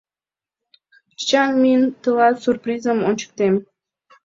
Чечас мин тылат сурпризым ончыктем.